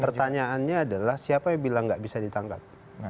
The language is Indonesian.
pertanyaannya adalah siapa yang bilang nggak bisa ditangkap